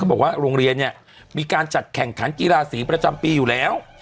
บอกว่าโรงเรียนเนี่ยมีการจัดแข่งขันกีฬาสีประจำปีอยู่แล้ว